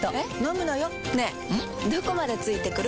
どこまで付いてくる？